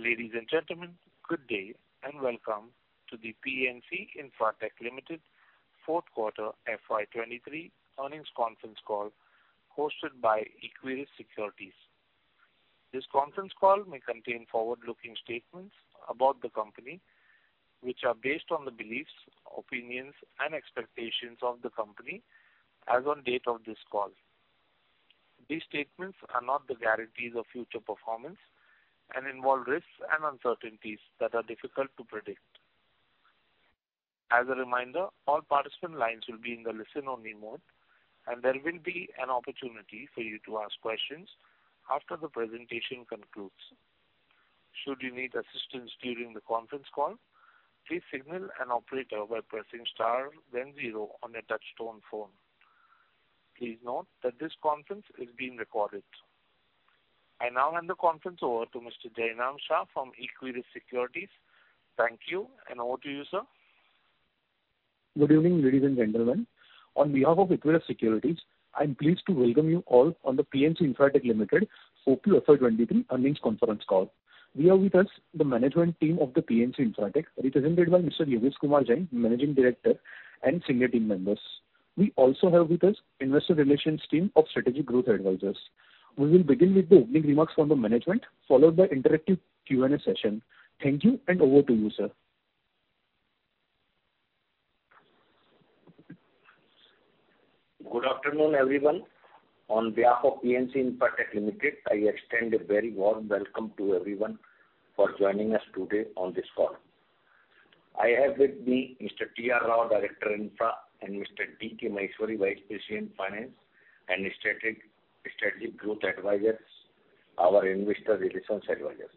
Ladies and gentlemen, good day, and welcome to the PNC Infratech Limited Fourth Quarter FY 23 Earnings Conference Call, hosted by Equirus Securities. This conference call may contain forward-looking statements about the company, which are based on the beliefs, opinions, and expectations of the company as on date of this call. These statements are not the guarantees of future performance and involve risks and uncertainties that are difficult to predict. As a reminder, all participant lines will be in the listen-only mode, and there will be an opportunity for you to ask questions after the presentation concludes. Should you need assistance during the conference call, please signal an operator by pressing star then zero on your touchtone phone. Please note that this conference is being recorded. I now hand the conference over to Mr. Jainam Shah from Equirus Securities. Thank you, and over to you, sir. Good evening, ladies and gentlemen. On behalf of Equirus Securities, I'm pleased to welcome you all on the PNC Infratech Limited QFY 23 Earnings Conference Call. We have with us the management team of the PNC Infratech, represented by Mr. Yogesh Kumar Jain, Managing Director, and senior team members. We also have with us investor relations team of Strategic Growth Advisors. We will begin with the opening remarks from the management, followed by interactive Q&A session. Thank you, and over to you, sir. Good afternoon, everyone. On behalf of PNC Infratech Limited, I extend a very warm welcome to everyone for joining us today on this call. I have with me Mr. T.R. Rao, Director Infra, and Mr. D.K. Maheshwari, Vice President, Finance, and Strategic Growth Advisors, our Investor Relations Advisors.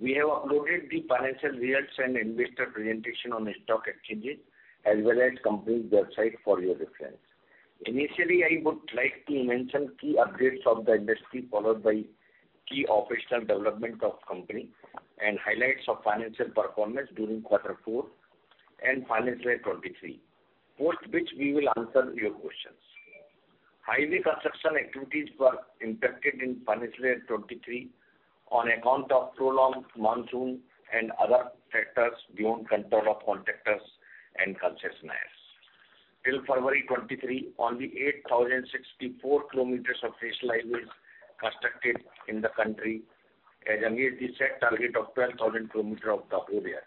We have uploaded the financial results and investor presentation on the stock exchanges, as well as company's website for your reference. Initially, I would like to mention key updates of the industry, followed by key operational development of company and highlights of financial performance during quarter four and financial year 2023, post which we will answer your questions. Highway construction activities were impacted in financial year 2023 on account of prolonged monsoon and other factors beyond control of contractors and concessionaires. Till February 2023, only 8,064 km of national highways constructed in the country, as against the set target of 12,000 km of the full year.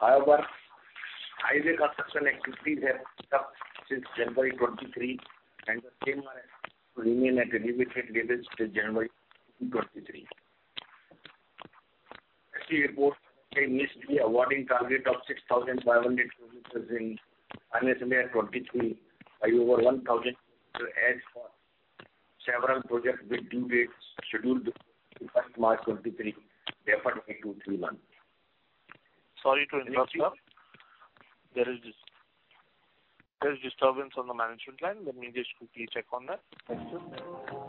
Highway construction activities have picked up since January 2023, and the same are to remain at elevated levels till January 2023. As we report, they missed the awarding target of 6,500 km in financial year 2023, by over 1,000 as for several projects with due dates scheduled between March 2023, therefore two to three months. Sorry to interrupt, sir. There is disturbance on the management line. Let me just quickly check on that.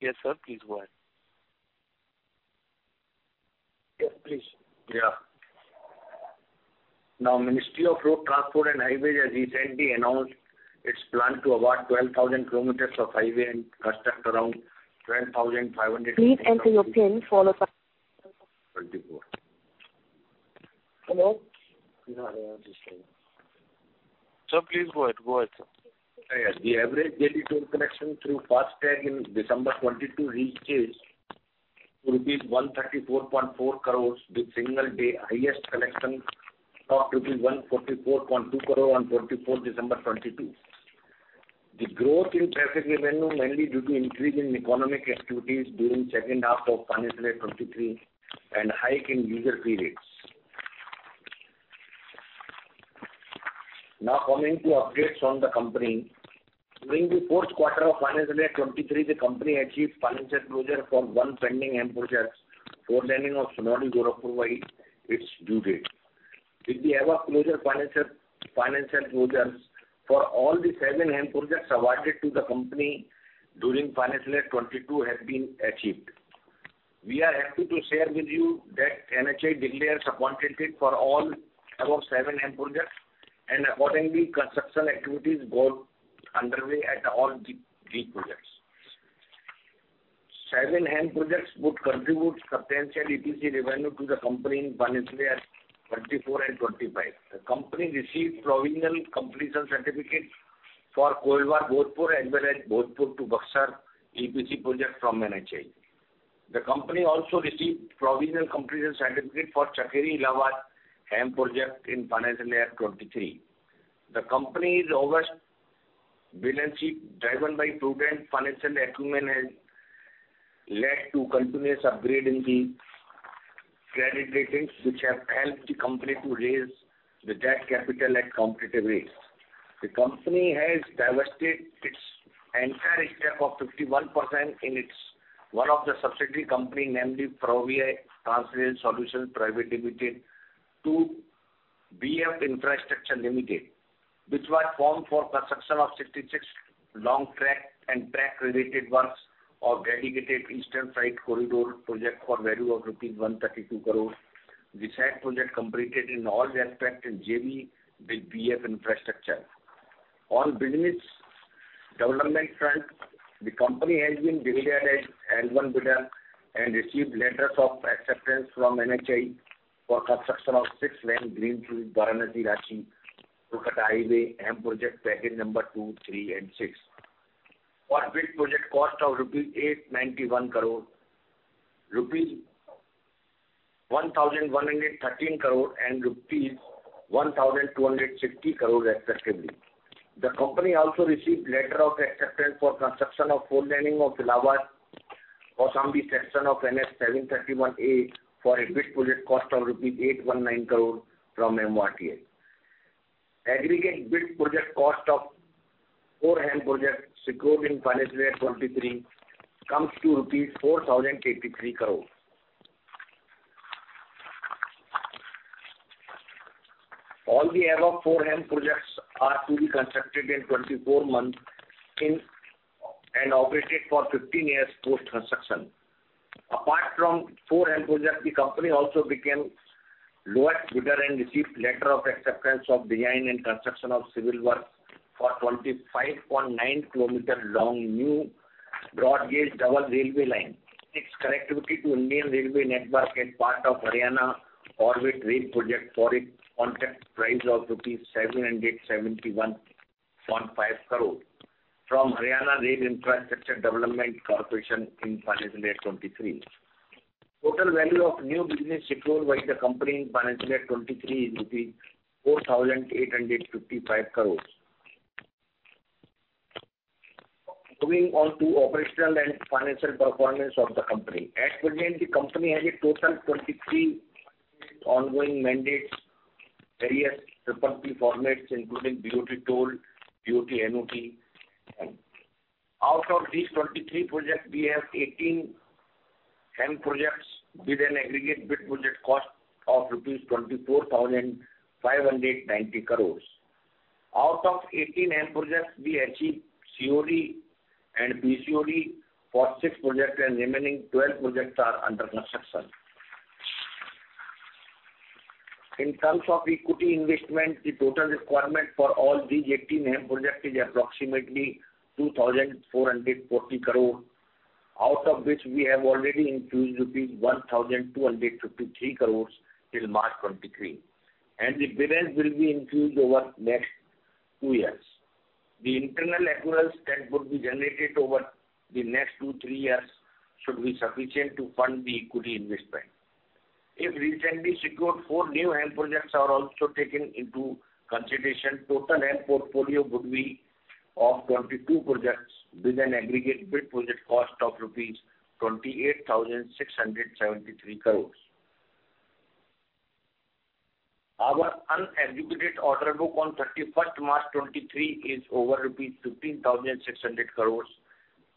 Yes, sir, please go ahead. Yes, please. Ministry of Road Transport and Highways has recently announced its plan to award 12,000 km of highway and construct around 12,500 km. Please enter your pin, followed by- 2024. Hello? Sir, please go ahead. Go ahead, sir. Yes. The average daily toll collection through FASTag in December 2022 reaches 134.4 crores, with single day highest collection of rupees 144.2 crore on 24th December 2022. The growth in traffic revenue, mainly due to increase in economic activities during second half of financial year 2023 and hike in user fees. Coming to updates on the company. During the fourth quarter of financial year 2023, the company achieved financial closure for one pending project, 4 laning of Sonauli–Gorakhpur by its due date. With the above financial closures for all the seven HAM projects awarded to the company during financial year 2022 has been achieved. We are happy to share with you that NHAI declared substantive for all above seven HAM projects. Accordingly, construction activities go underway at all these projects. Seven HAM projects would contribute substantial EPC revenue to the company in financial year 2024 and 2025. The company received Provisional Completion Certificate for Koilwar to Bhojpur, as well as Bhojpur to Buxar EPC project from NHAI. The company also received Provisional Completion Certificate for Chakeri-Allahabad HAM project in financial year 2023. The company's robust balance sheet, driven by prudent financial acumen, has led to continuous upgrade in the credit ratings, which have helped the company to raise the debt capital at competitive rates. The company has divested its entire share of 51% in its one of the subsidiary company, namely, Ferrovia Transrail Solutions Private Limited, to BF Infrastructure Limited, which was formed for construction of 66 long track and track-related works of Dedicated Eastern Freight Corridor project for value of rupees 132 crore. The said project completed in all respect in JV with BF Infrastructure. On business development front, the company has been declared as L1 bidder and received letters of acceptance from NHAI for construction of six-lane Greenfield Varanasi-Ranchi-Kolkata Highway HAM Project Package number 2, 3, and 6, for Bid Project Costs of 891 crore rupees, 1,113 crore rupees and 1,260 crore rupees respectively. The company also received letter of acceptance for construction of four laning of Allahabad-Kaushambi section of NH 731A, for a Bid Project Cost of rupees 819 crore from MoRTH. Aggregate Bid Project Cost of four HAM projects secured in financial year 2023, comes to INR 4,083 crore. All the above four HAM projects are to be constructed in 24 months and operated for 15 years post-construction. Apart from four HAM projects, the company also became lowest bidder and received letter of acceptance of design and construction of civil work for 25.9 km long New Broad Gauge Double Railway Line. Its connectivity to Indian Railways' Network as part of Haryana Orbit Rail Project, for a contract price of rupees 771.5 crore from Haryana Rail Infrastructure Development Corporation in financial year 2023. Total value of new business secured by the company in financial year 2023 is rupees 4,855 crores. Coming on to operational and financial performance of the company. At present, the company has a total 23 ongoing mandates, various PPP formats, including BOT-Toll, BOT Annuity. Out of these 23 projects, we have 18 HAM projects with an aggregate Bid Project Cost of rupees 24,590 crores. Out of 18 HAM projects, we achieved COD and PCOD for six projects. Remaining 12 projects are under construction. In terms of equity investment, the total requirement for all these 18 HAM projects is approximately 2,440 crore, out of which we have already infused rupees 1,253 crore till March 2023. The balance will be infused over next two years. The internal accruals that would be generated over the next two, three years should be sufficient to fund the equity investment. If recently secured four new HAM projects are also taken into consideration, total HAM portfolio would be of 22 projects with an aggregate Bid Project Cost of rupees 28,673 crore. Our unexecuted order book on 31st March 2023, is over rupees 15,600 crores,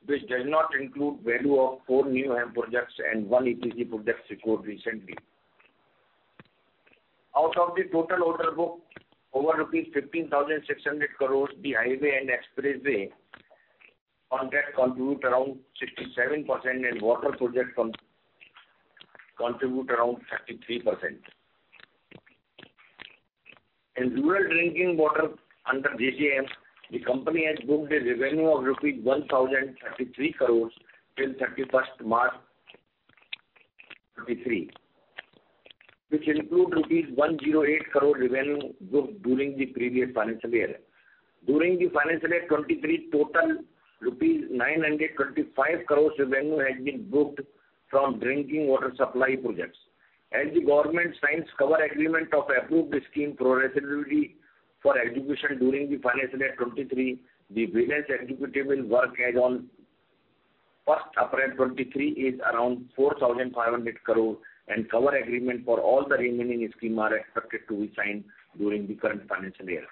which does not include value of four new HAM projects and one EPC project secured recently. Out of the total order book, over rupees 15,600 crores, the highway and expressway contract contribute around 67%, and water project contribute around 33%. In rural drinking water under JJM, the company has booked a revenue of rupees 1,033 crores till 31st March 2023. Which include rupees 108 crore revenue booked during the previous financial year. During the financial year 2023, total INR 935 crores revenue has been booked from drinking water supply projects. As the government signs cover agreement of approved scheme progressively for execution during the financial year 2023, the business executable work as on April 1, 2023, is around 4,500 crore, and cover agreement for all the remaining schemes are expected to be signed during the current financial year.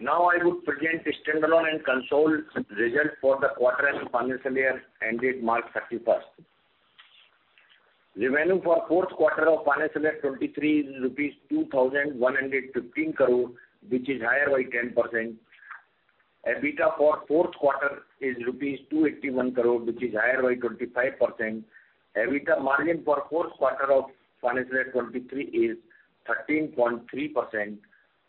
Now I would present the standalone and consolidated results for the quarter and financial year ended March 31. Revenue for fourth quarter of financial year 2023 is INR 2,115 crore, which is higher by 10%. EBITDA for fourth quarter is INR 281 crore, which is higher by 25%. EBITDA margin for fourth quarter of financial year 2023 is 13.3%.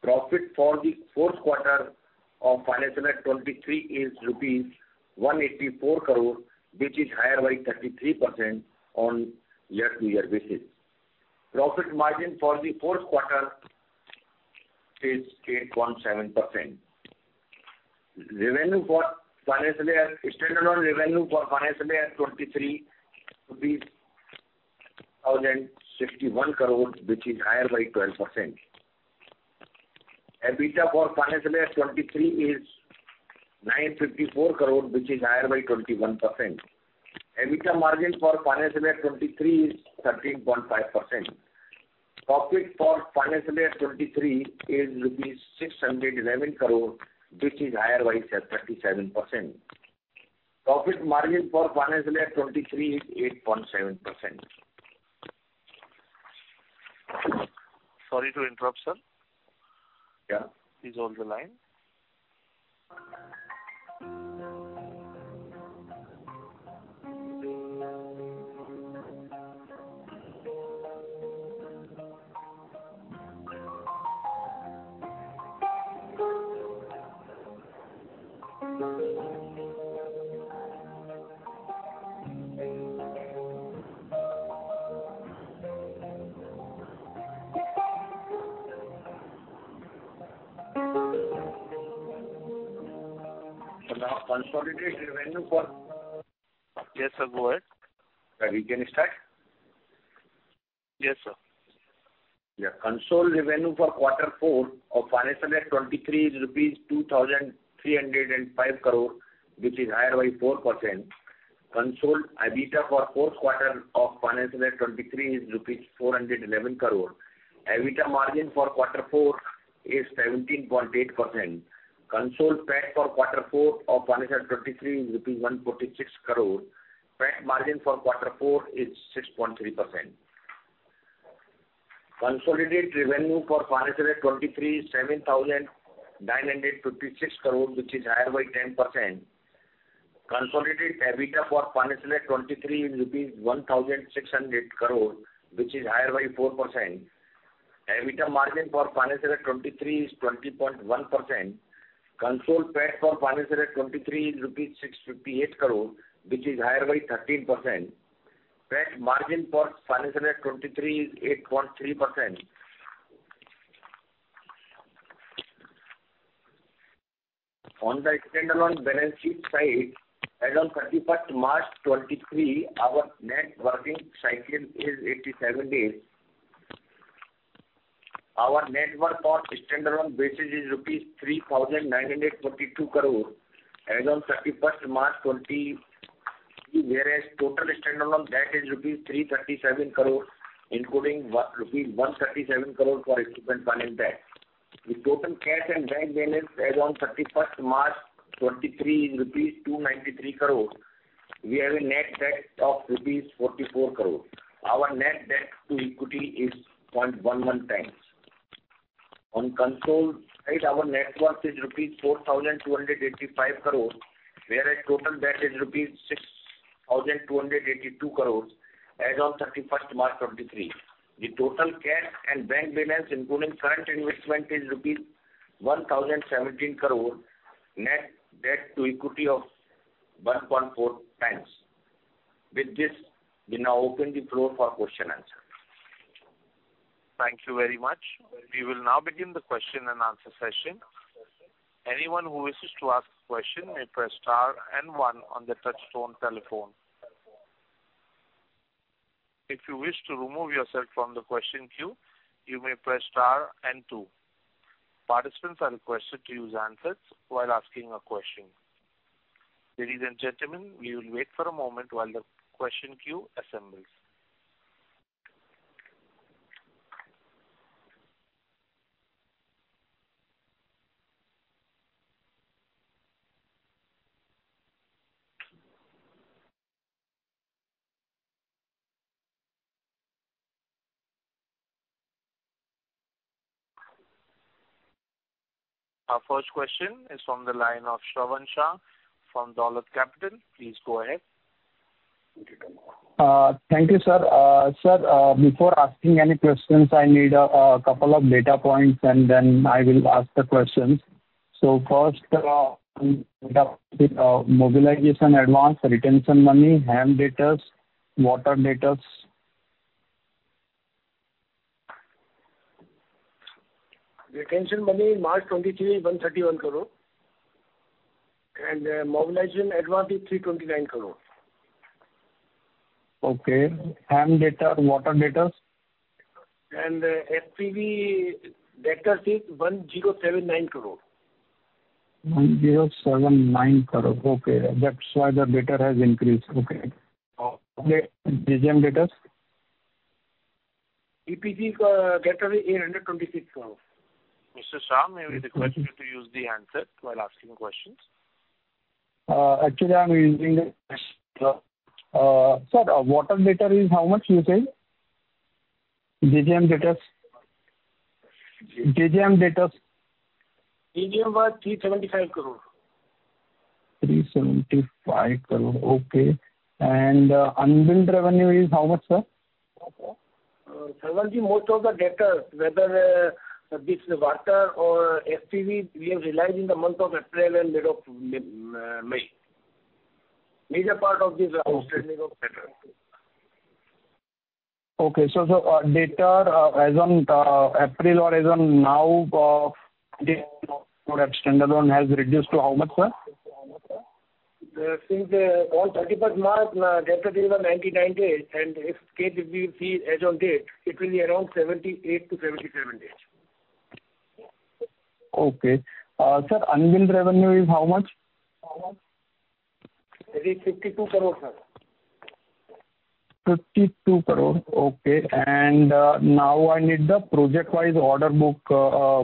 Profit for the fourth quarter of financial year 2023 is rupees 184 crore, which is higher by 33% on year-to-year basis. Profit margin for the fourth quarter is 8.7%. Standalone revenue for financial year 2023, INR 1,061 crore, which is higher by 12%. EBITDA for financial year 2023 is 954 crore, which is higher by 21%. EBITDA margin for financial year 2023 is 13.5%. Profit for financial year 2023 is INR 611 crore, which is higher by 37%. Profit margin for financial year 2023 is 8.7%. Sorry to interrupt, sir. Yeah. Please hold the line. Now, consolidated revenue. Yes, sir, go ahead. We can start? Yes, sir. Consolidated revenue for quarter four of financial year 2023 is 2,305 crore, which is higher by 4%. Consolidated EBITDA for quarter four of financial year 2023 is rupees 411 crore. EBITDA margin for quarter four is 17.8%. Consolidated PAT for quarter four of financial year 2023 is INR 146 crore. PAT margin for quarter four is 6.3%. Consolidated revenue for financial year 2023 is 7,956 crore, which is higher by 10%. Consolidated EBITDA for financial year 2023 is rupees 1,600 crore, which is higher by 4%. EBITDA margin for financial year 2023 is 20.1%. Consolidated PAT for financial year 2023 is 658 crore, which is higher by 13%. PAT margin for financial year 2023 is 8.3%. On the standalone balance sheet side, as on 31st March 2023, our net working cycle is 87 days. Our net worth on standalone basis is INR 3,942 crore as on 31st March, whereas total standalone debt is INR 337 crore, including INR 137 crore for instrument finance debt. The total cash and bank balance as on 31st March 2023 is rupees 293 crore. We have a net debt of rupees 44 crore. Our net debt to equity is 0.11 times. On consolidated, our net worth is rupees 4,285 crore, whereas total debt is rupees 6,282 crore as on 31st March 2023. The total cash and bank balance, including current investment, is rupees 1,017 crore, net debt to equity of 1.4 times. With this, we now open the floor for question answer. Thank you very much. We will now begin the question and answer session. Anyone who wishes to ask a question may press star and one on the touchtone telephone. If you wish to remove yourself from the question queue, you may press star and two. Participants are requested to use answers while asking a question. Ladies and gentlemen, we will wait for a moment while the question queue assembles. Our first question is from the line of Shravan Shah from Dolat Capital. Please go ahead. Thank you, sir. Sir, before asking any questions, I need a couple of data points, and then I will ask the questions. First, mobilization advance, retention money, HAM datas, water datas. Retention money, March 2023, 131 crore, and mobilization advance is 329 crore. Okay, HAM data, water datas? SPV debtor is 1,079 crore. 1,079 crore. Okay, that's why the debtor has increased. Okay. Okay, JJM debtors? EPC debtors is INR 826 crore. Mr. Shah, may we request you to use the handset while asking questions? Actually, I'm using it. Sir, water debtor is how much you say? JJM debtors. JJM was INR 375 crore. INR 375 crore, okay. Unbilled revenue is how much, sir? Sir, most of the debtor, whether this water or SPV, we have relays in the month of April and mid of May. Major part of this. Okay. Outstanding of better. Okay. Data as on April or as on now, standard one has reduced to how much, sir? Since on 31st March data was 99 days, if case we see as on date, it will be around 78-77 days. Okay. Sir, unbilled revenue is how much? It is INR 52 crore, sir. INR 52 crore, okay. Now I need the project-wise order book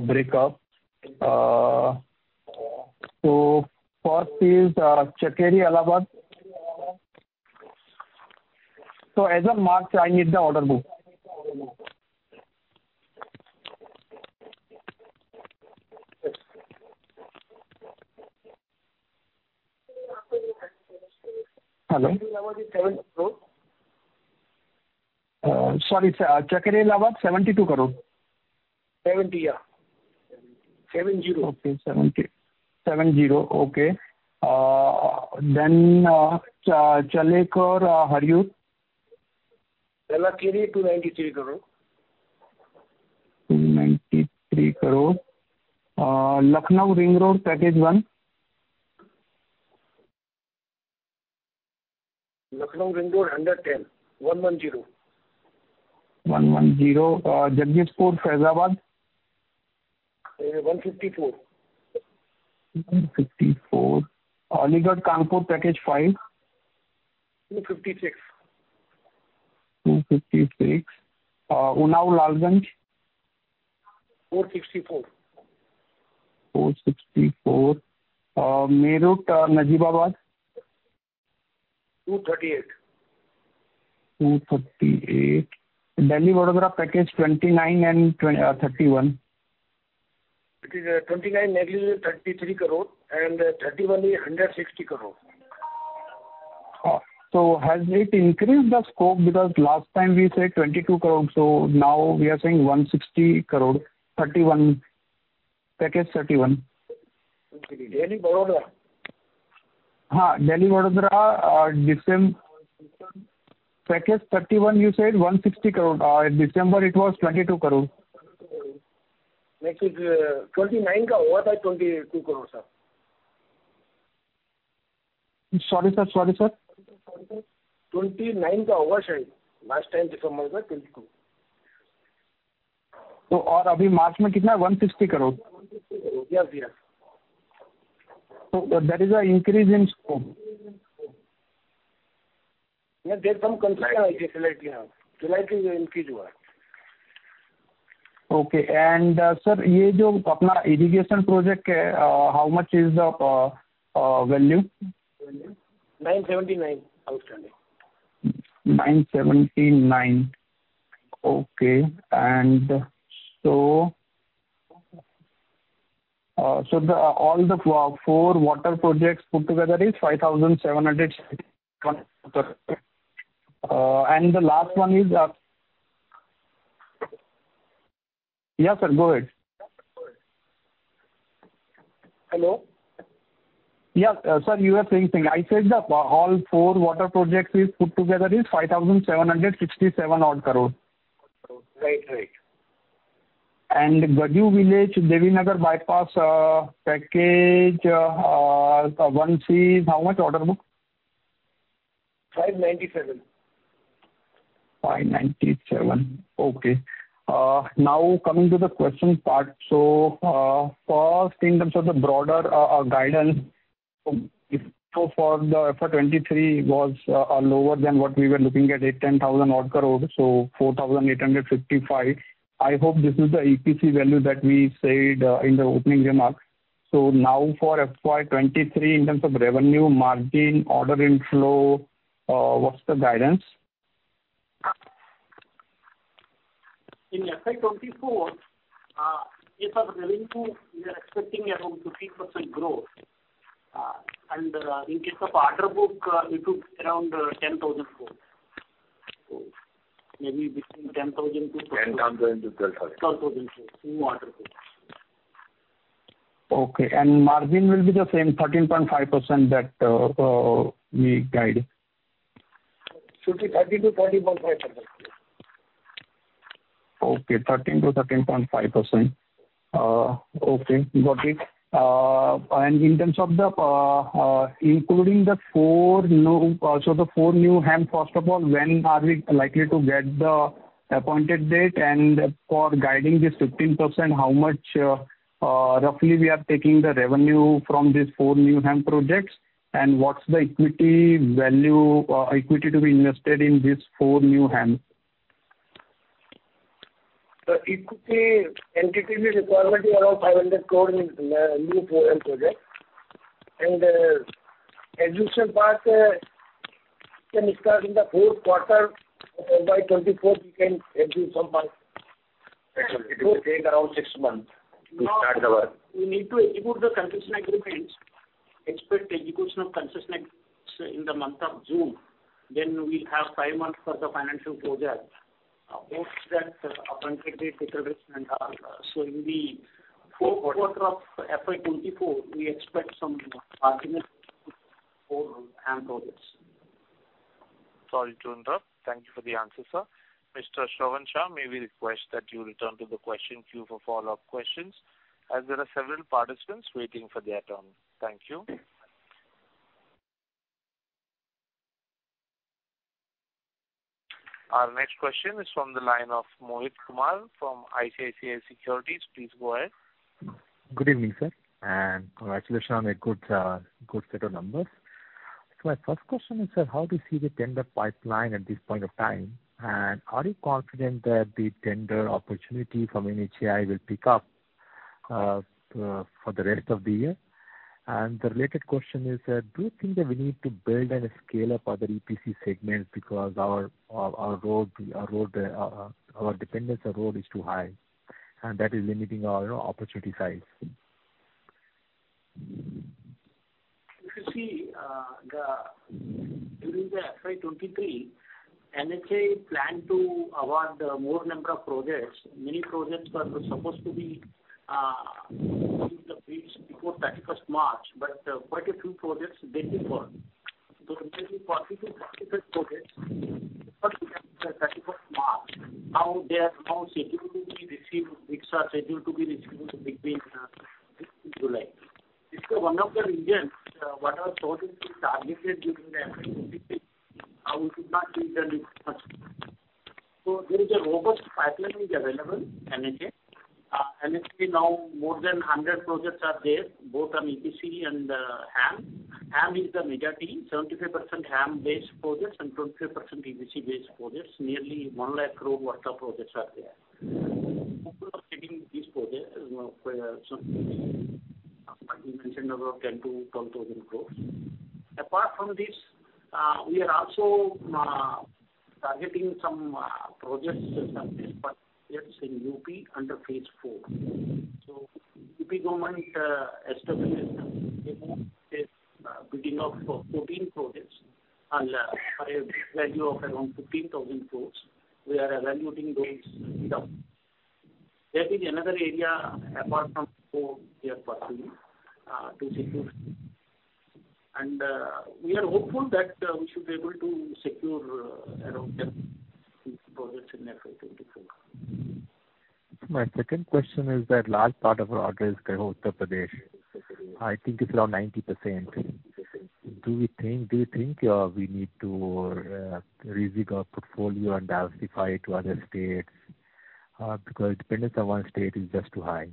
break up. First is Chakeri-Allahabad. As of March, I need the order book. Hello? Allahabad is INR 7 crore. Sorry, sir, Chakeri-Allahabad, 72 crore? 70, yeah. seven zero. Okay, 70. seven zero, okay. Challakere and Hiriyur? Challakere, 293 crore. 293 crore. Lucknow, Ring Road, package 1? Lucknow, Ring Road, INR 110. one one zero. One one zero. Jagdishpur-Faizabad? INR 154. INR 154. Aligarh Kanpur, package 5? INR 256. INR 256. Unnao Lalganj? INR 464. INR 464. Meerut, Najibabad? INR 238. INR 238. Delhi-Vadodara, package 29 and 31. It is 29, Delhi is 33 crore, 31 is 160 crore. Has it increased the scope? Because last time we said 22 crore, so now we are saying 160 crore, 31, package 31. Delhi-Vadodara. Ha, Delhi-Vadodara, package 31, you said 160 crore. In December, it was 22 crore. Which is 29, was 22 crore, sir. Sorry, sir. Sorry, sir? 29 was last time, December was 22. aur abhi March Mein kitna, 150 crore? 150 crore. Yes, sir. There is a increase in scope. There's some confirmation lately, yeah. Lately, we increased what? Okay, sir, ye jo apna irrigation project ke, how much is the value? INR 979 outstanding. INR 979. Okay. All the four water projects put together is 5,761 crore. The last one is. Yes, sir, go ahead. Hello? Yeah. Sir, you were saying something. I said the all four water projects is put together is 5,767 odd crore. Right. Right. Gaju Village, Devinagar bypass, package 1C, how much order book? 597. 597. Okay. Now coming to the question part. First, in terms of the broader guidance, for the FY 2023 was lower than what we were looking at 10,000 odd crore, 4,855. I hope this is the EPC value that we said in the opening remarks. Now for FY 2023, in terms of revenue, margin, order inflow, what's the guidance? In FY 2024, in terms of revenue, we are expecting around 50% growth. In case of order book, it is around 10,000 crore. Maybe between 10,000. 10,000-12,000. 12,000 crore order book. Okay, and margin will be the same, 13.5% that, we guided? Should be 13%-13.5%. Okay, 13%-13.5%. Okay, got it. In terms of the including the four new, the four new HAM, first of all, when are we likely to get the appointed date? For guiding this 15%, how much roughly we are taking the revenue from these four new HAM projects? what's the equity value or equity to be invested in these four new HAM? The equity entity requirement is around 500 crore in new four HAM project. As usual, part can start in the fourth quarter. By 2024, we can execute some part. It will take around six months to start the work. We need to execute the concession agreements, expect execution of concession in the month of June, then we have five months for the financial project, both that appointed date and are showing the fourth quarter of FY 2024, we expect some argument for HAM projects. Sorry to interrupt. Thank you for the answer, sir. Mr. Shravan Shah, may we request that you return to the question queue for follow-up questions, as there are several participants waiting for their turn. Thank you. Our next question is from the line of Mohit Kumar from ICICI Securities. Please go ahead. Good evening, sir, and congratulations on a good set of numbers. My first question is, sir, how do you see the tender pipeline at this point of time? Are you confident that the tender opportunity from NHAI will pick up for the rest of the year? The related question is that, do you think that we need to build and scale up other EPC segments because our road dependence on road is too high, and that is limiting our opportunity size. If you see, during the FY 2023, NHAI planned to award more number of projects. Many projects were supposed to be in the weeks before 31st March, but quite a few projects they deferred. There will be 40-45 projects, 31st March. Now, they are now scheduled to be received, these are scheduled to be received between July. It's one of the reasons what are targeted during the FY 2023, we should not. There is a robust pipeline available, NHAI. NHAI now, more than 100 projects are there, both on EPC and HAM. HAM is the majority, 75% HAM-based projects and 25% EPC-based projects. Nearly INR 1 lakh crore worth of projects are there. These projects, as I mentioned, about INR 10,000 crore-INR 12,000 crore. Apart from this, we are also targeting some projects and services in UP under phase four. UP government established a bidding of 14 projects and a value of around 15,000 crores. We are evaluating those. There is another area apart from four we are pursuing to secure. We are hopeful that we should be able to secure around 10 projects in FY 2024. My second question is that large part of our order is Uttar Pradesh. I think it's around 90%. Do you think we need to revisit our portfolio and diversify to other states? Dependence on one state is just too high.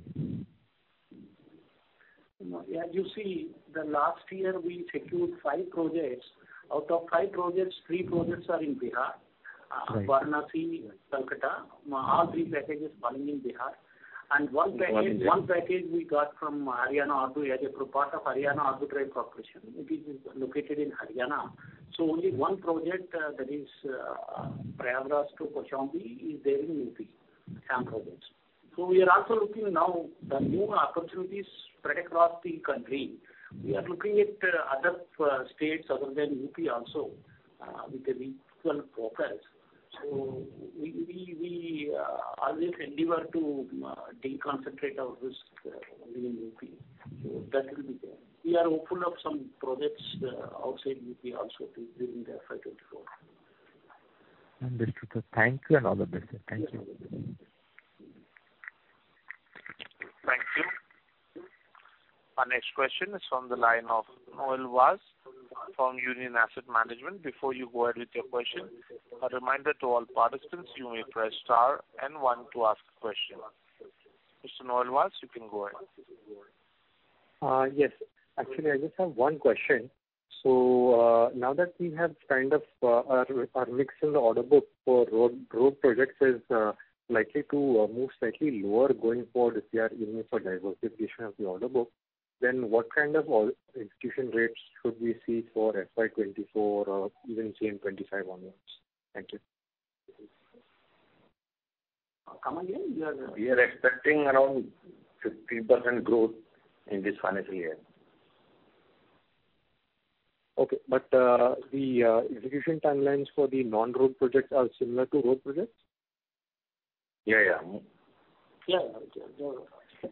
As you see, the last year, we secured five projects. Out of five projects, three projects are in Bihar. Right. Varanasi, Kolkata, all three packages falling in Bihar. One package we got from Haryana Orbital, as a part of Haryana Orbital Rail Corporation. It is located in Haryana. Only one project, that is, Prayagraj to Kaushambi is there in UP, HAM projects. We are also looking now the new opportunities spread across the country. We are looking at other states other than UP also, with the regional focus. We always endeavor to deconcentrate our risk only in UP. That will be there. We are hopeful of some projects outside UP also during the FY 2024. Understood, sir. Thank you and all the best, sir. Thank you. Thank you. Our next question is from the line of Noel Vaz from Union Asset Management. Before you go ahead with your question, a reminder to all participants, you may press star and one to ask a question. Mr. Noel Vaz, you can go ahead. Yes. Actually, I just have one question. Now that we have kind of, our mix in the order book for road projects is likely to move slightly lower going forward if we are aiming for diversification of the order book, what kind of ex-execution rates should we see for FY 2024 or even FY 2025 onwards? Thank you. Come again? We are expecting around 15% growth in this financial year. Okay. The execution timelines for the non-road projects are similar to road projects? Yeah, yeah. Yeah, yeah.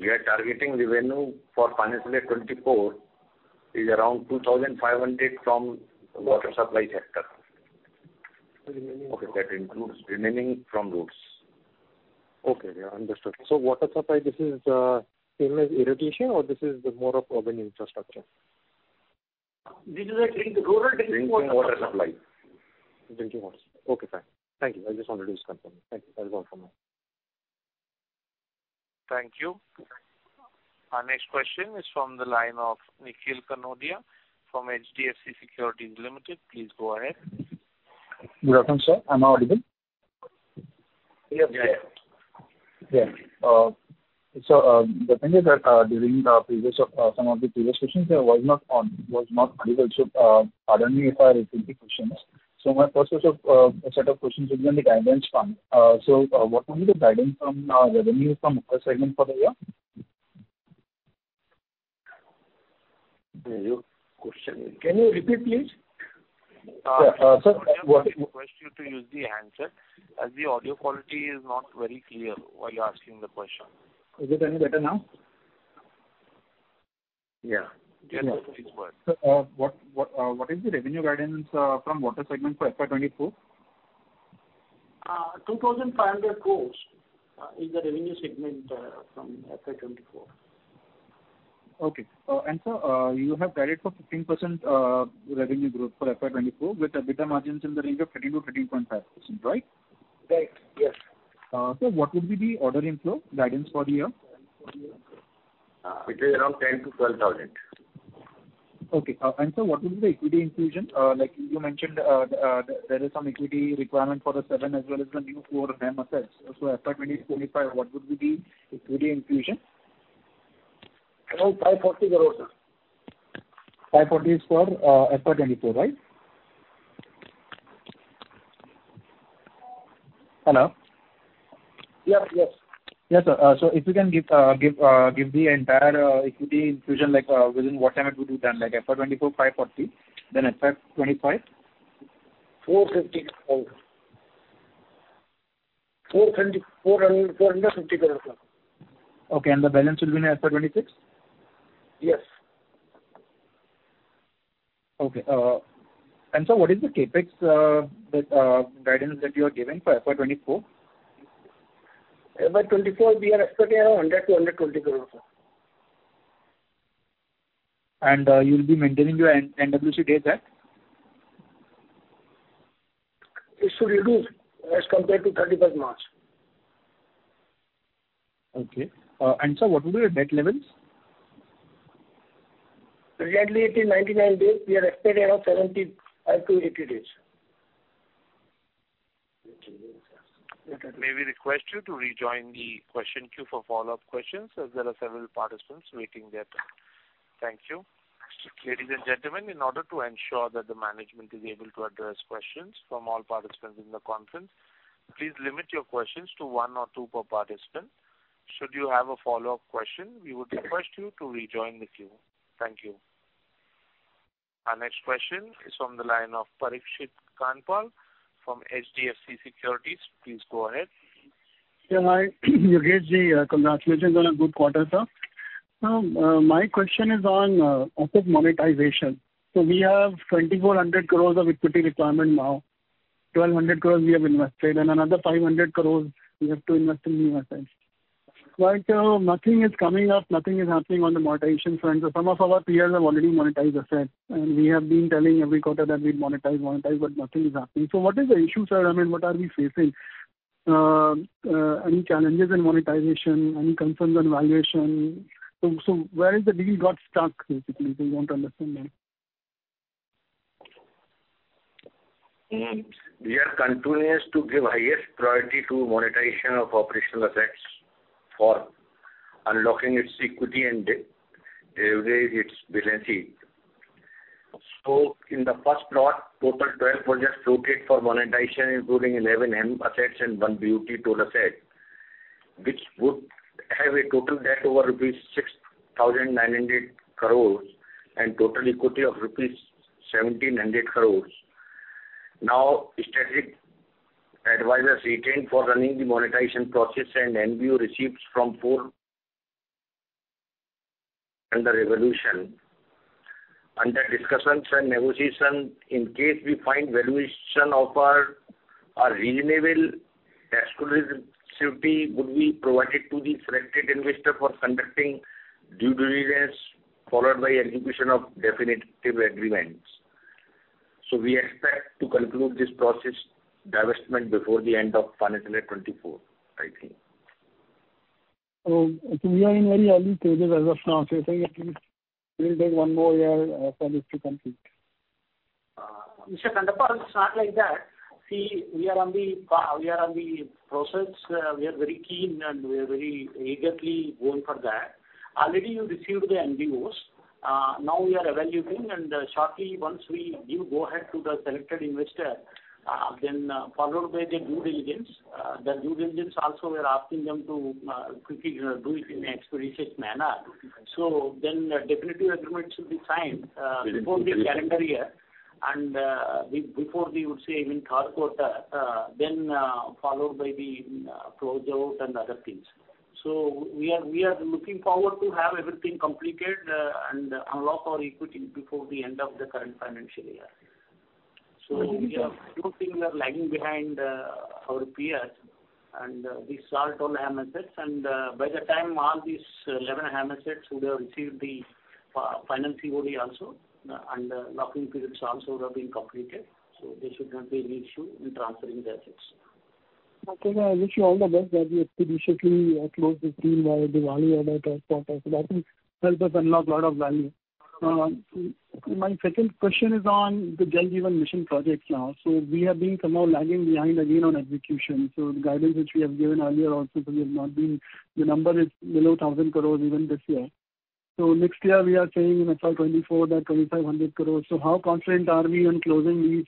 We are targeting revenue for financial year 2024 is around 2,500 from water supply sector. Okay. That includes remaining from roads. Okay, yeah, understood. Water supply, this is, same as irrigation, or this is more of urban infrastructure? This is a drink, rural drinking water. Drinking water supply. Drinking water. Okay, fine. Thank you. I just wanted to confirm. Thank you. That's all from me. Thank you. Our next question is from the line of Nikhil Kanodia from HDFC Securities Limited. Please go ahead. Good afternoon, sir. Am I audible? Yes, we are. Yeah. During the previous, some of the previous questions, I was not audible. Pardon me if I repeat the questions. My first question, set of questions is on the guidance front. What will be the guidance from, revenue from water segment for the year? The question, can you repeat, please? Sir, request you to use the handset as the audio quality is not very clear while you are asking the question. Is it any better now? Yeah. Yes, it works. What is the revenue guidance from water segment for FY 2024? 2,500 crore is the revenue segment from FY 2024. Okay. sir, you have guided for 15% revenue growth for FY 2024, with EBITDA margins in the range of 13%-13.5%, right? Right. Yes. What would be the order inflow guidance for the year? It is around 10,000-12,000. Okay. Sir, what would be the equity infusion? Like you mentioned, there is some equity requirement for the seven, as well as the new four HAM assets. FY 2024, 2025, what would be the equity infusion? Around INR 540 crore, sir. INR 540 is for FY 2024, right? Hello? Yeah. Yes. Yeah, sir. If you can give the entire equity infusion within what time it would be done? Like FY 2024, 540, then FY 2025? four hundred and fifty thousand. Okay, the balance will be in FY 2026? Yes. Okay, Sir, what is the CapEx that guidance that you are giving for FY 2024? FY 2024, we are expecting around 100 crore-120 crore, sir. You will be maintaining your NWC days, right? It should reduce as compared to 31st March. Okay. Sir, what will be your debt levels? Recently, it is 99 days. We are expecting around 70-80 days. May we request you to rejoin the question queue for follow-up questions, as there are several participants waiting there. Thank you. Ladies and gentlemen, in order to ensure that the management is able to address questions from all participants in the conference, please limit your questions to one or two per participant. Should you have a follow-up question, we would request you to rejoin the queue. Thank you. Our next question is from the line of Parikshit Kandpal from HDFC Securities. Please go ahead. Yeah, hi, Yogesh Jain, congratulations on a good quarter, sir. My question is on asset monetization. We have 2,400 crores of equity requirement now. 1,200 crores we have invested, and another 500 crores we have to invest in new assets. Right now, nothing is coming up, nothing is happening on the monetization front. Some of our peers have already monetized assets, and we have been telling every quarter that we monetize, but nothing is happening. What is the issue, sir? I mean, what are we facing? Any challenges in monetization, any concerns on valuation? Where is the deal got stuck, basically? We want to understand that. We are continuous to give highest priority to monetization of operational assets for unlocking its equity and de-leverage its balance sheet. In the first lot, total 12 projects floated for monetization, including 11 HAM assets and one BOT-Toll asset, which would have a total debt over rupees 6,900 crores and total equity of rupees 1,700 crores. Strategic Growth Advisors retained for running the monetization process. Under discussions and negotiation, in case we find valuation offer are reasonable, exclusivity would be provided to the selected investor for conducting due diligence, followed by execution of definitive agreements. We expect to conclude this process divestment before the end of financial year 2024, I think. We are in very early stages of the process, right? It will take one more year for this to complete. Mr. Kandpal, it's not like that. See, we are on the process. We are very keen, we are very eagerly going for that. Already you received the NBO. Now we are evaluating, shortly once we give go-ahead to the selected investor, followed by the due diligence. The due diligence also, we are asking them to quickly do it in an expeditious manner. The definitive agreement should be signed before the calendar year, before we would say even third quarter, followed by the closeout and other things. We are looking forward to have everything completed and unlock our equity before the end of the current financial year. We are hoping we are lagging behind our peers, and we sold all HAM assets, and by the time all these 11 HAM assets would have received the final COD also, and locking periods also would have been completed, so there should not be any issue in transferring the assets. Okay, I wish you all the best that you could initially close the scheme by Diwali or third quarter. That will help us unlock a lot of value. My second question is on the Jal Jeevan Mission projects now. We have been somehow lagging behind again on execution. The guidance which we have given earlier also, we have not been the number is below 1,000 crores even this year. Next year, we are saying in FY 2024 that 2,500 crores. How confident are we in closing these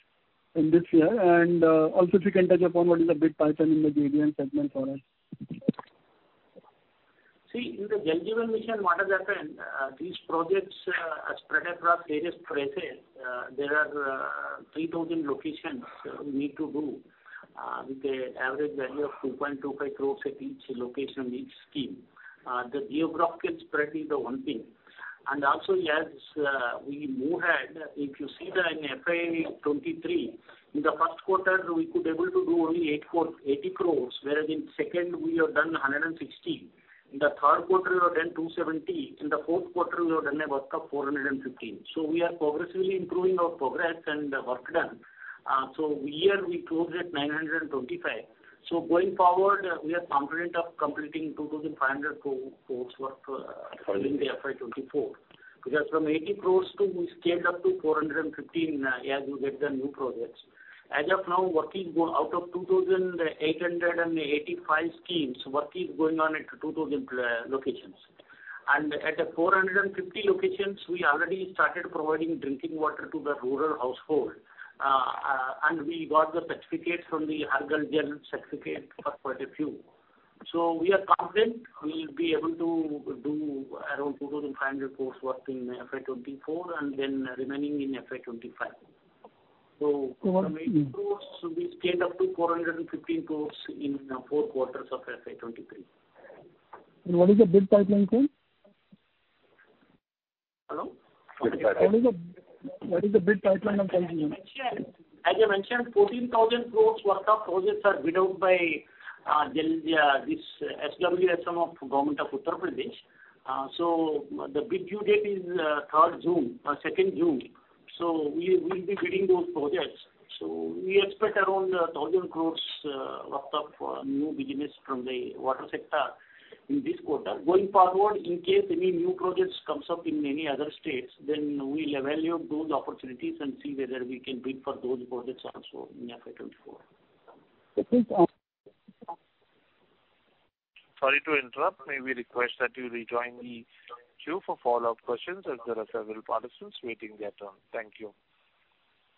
in this year? Also if you can touch upon what is a big pipeline in the Jal Jeevan segment for us. See, in the Jal Jeevan Mission, what has happened, these projects are spread across various places. There are 3,000 locations we need to do with an average value of 2.25 crores at each location, each scheme. The geographic spread is the one thing. As we move ahead, if you see the in FY 2023, in the first quarter, we could able to do only 80 crores, whereas in second, we have done 160. In the third quarter, we have done 270. In the fourth quarter, we have done a work of 450. We are progressively improving our progress and the work done. Year we closed at 925. Going forward, we are confident of completing 2,500 crores worth during the FY 2024. From 80 crores, we scaled up to 415 crores as we get the new projects. As of now, working go out of 2,885 schemes, work is going on at 2,000 locations. At the 450 locations, we already started providing drinking water to the rural household. We got the certificates from the Har Ghar Jal Certificate for quite a few. We are confident we will be able to do around 2,500 crores worth in FY 2024, and then remaining in FY 2025. From INR 80 crores, we scaled up to 415 crores in 4 quarters of FY 2023. What is the big pipeline thing? Hello? What is the big pipeline of continuing? As I mentioned, 14,000 crores worth of projects are bid out by Jal, this SWM of Government of Uttar Pradesh. The bid due date is 3rd June, 2nd June. We will be bidding those projects. We expect around 1,000 crores worth of new business from the water sector in this quarter. Going forward, in case any new projects comes up in any other states, then we'll evaluate those opportunities and see whether we can bid for those projects also in FY 2024. Okay. Sorry to interrupt. May we request that you rejoin the queue for follow-up questions, as there are several participants waiting their turn. Thank you.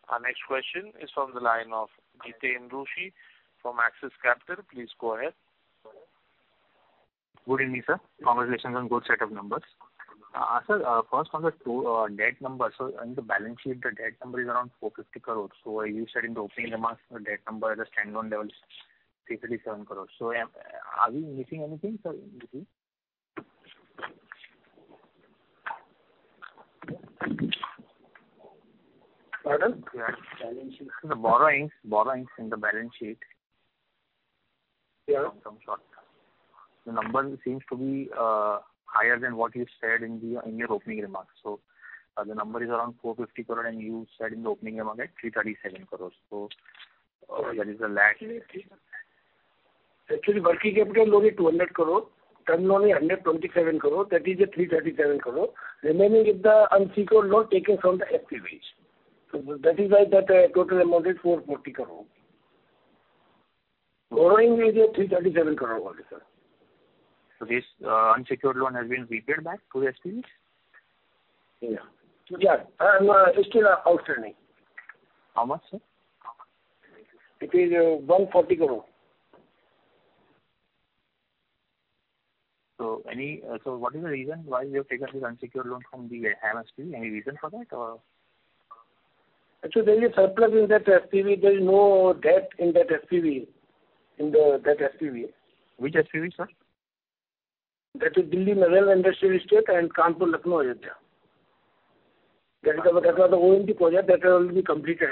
Our next question is from the line of Jiteen Rushe from Axis Capital. Please go ahead. Good evening, sir. Congratulations on good set of numbers. Sir, first on the two debt numbers. In the balance sheet, the debt number is around 450 crores. You said in the opening remarks, the debt number at a standalone level is 337 crores. Are we missing anything, sir, in this? Pardon? Yeah, balance sheet. The borrowings in the balance sheet. Yeah. The number seems to be higher than what you said in your opening remarks. The number is around 450 crore, and you said in the opening remarks 337 crore. There is a lag. Working capital loan is 200 crore, term loan is 127 crore, that is 337 crore. Remaining is the unsecured loan taken from the SPVs. That is why that, total amount is 440 crore. Borrowing is 337 crore only, sir. This unsecured loan has been repaid back to the SPVs? Yeah. Yeah, it's still outstanding. How much, sir? It is INR 140 crore. Any, so what is the reason why you have taken this unsecured loan from the HAM SPV? Any reason for that, or? Actually, there is a surplus in that SPV. There is no debt in that SPV. Which SPV, sir? That is Delhi-Narela Industrial Estate and Kanpur-Lucknow-Ayodhya. That is because all the OMT project, that has already been completed.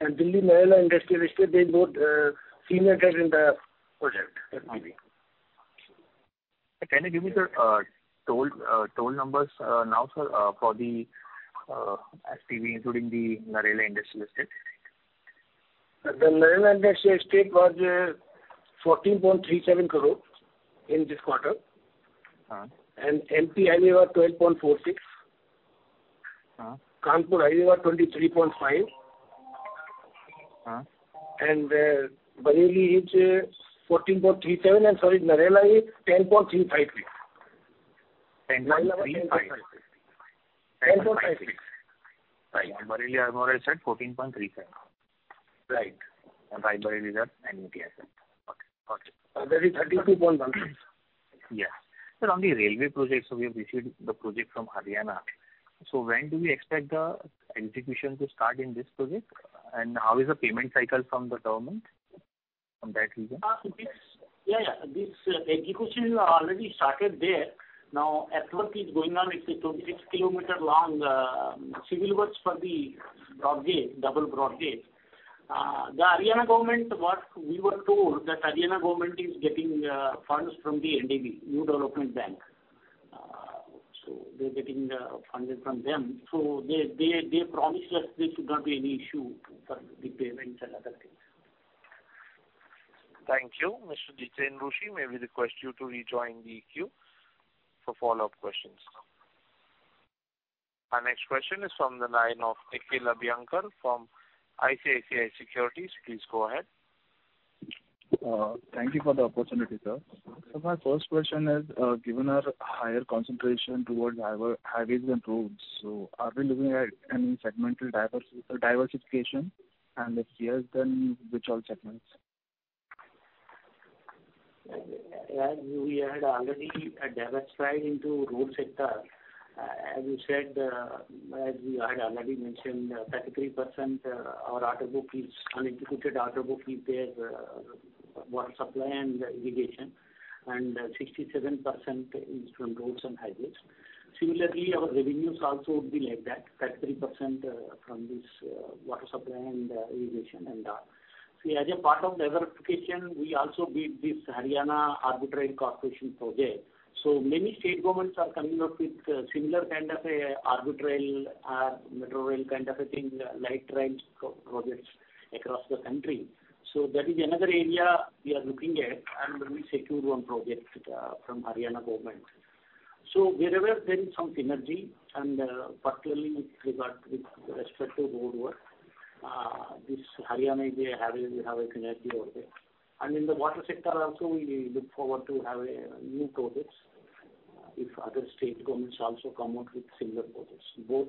Delhi-Narela Industrial Estate, they both senior debt in the project, SPV. Can you give me the toll numbers now, sir, for the SPV, including the Narela Industrial Estate? The Narela Industrial Estate was, 14.37 crore in this quarter. Uh. MP Highway was 12.46. Uh. Kanpur Highway was INR 23.5. Uh. Bareilly is INR 14.37, and sorry, Narela is INR 10.56. INR 10.35. INR 10.56. Bareilly, I said, INR 14.35. Right. Right, Bareilly is an annuity asset. Okay, okay. There is INR 32.16. Yeah. Sir, on the railway projects, we have received the project from Haryana. When do we expect the execution to start in this project? How is the payment cycle from the government on that project? This execution already started there. Now, as work is going on, it's a 26 km long civil works for the broad gauge, double broad gauge. The Haryana government, what we were told that Haryana government is getting funds from the NDB, New Development Bank. They're getting the funding from them. They promised us this should not be any issue for the payments and other things. Thank you, Mr. Jiteen Rushe. May we request you to rejoin the queue for follow-up questions. Our next question is from the line of Nikhil Abhyankar from ICICI Securities. Please go ahead. Thank you for the opportunity, sir. My first question is, given our higher concentration towards highways and roads, so are we looking at any segmental diversification? If yes, then which all segments? As we had already diversified into road sector, as you said, as we had already mentioned, 33% our order book is unexecuted. Order book is there, water supply and irrigation, and 67% is from roads and highways. Our revenues also would be like that, 33% from this water supply and irrigation, as a part of diversification, we also bid this Haryana Orbital Rail Corporation project. Many state governments are coming up with similar kind of a urban rail, metro rail kind of a thing, light rail projects across the country. That is another area we are looking at, and we secured one project from Haryana government. Wherever there is some synergy, and particularly with respect to roadwork, this Haryana, we have a synergy over there. In the water sector also, we look forward to have new projects, if other state governments also come out with similar projects, both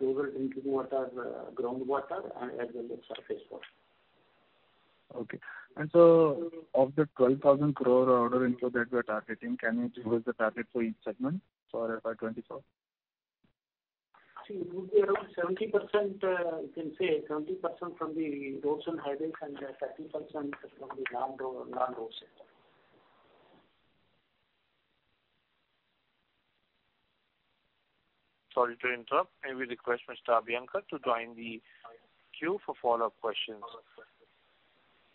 rural drinking water, groundwater and as well as surface water. Okay. Of the 12,000 crore order inflow that you are targeting, can you give us the target for each segment for FY 2024? Around 70%, you can say 70% from the roads and highways and 30% from the non-road sector. Sorry to interrupt. May we request Mr. Abhyankar to join the queue for follow-up questions.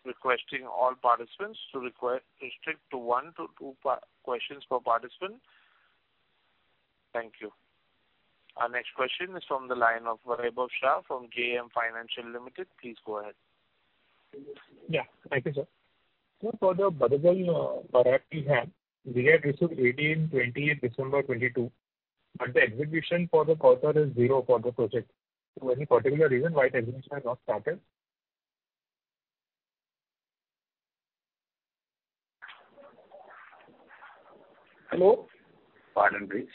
Requesting all participants to restrict to one to two questions per participant. Thank you. Our next question is from the line of Vaibhav Shah from JM Financial Limited. Please go ahead. Yeah. Thank you, sir. For the Badadal-Maradgi HAM received 18, 20, December 2022, but the execution for the quarter is zero for the project. Any particular reason why the execution has not started? Hello? Pardon, please.